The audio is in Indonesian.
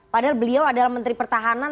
padahal beliau adalah menteri pertahanan